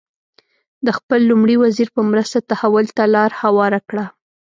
د خپل لومړي وزیر په مرسته تحول ته لار هواره کړه.